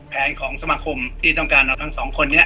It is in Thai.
ของสมาคมที่ต้องการเอาทั้งสองคนนี้